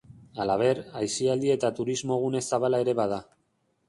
Halaber, aisialdi eta turismo gune zabala ere bada.